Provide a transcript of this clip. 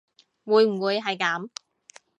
會唔會係噉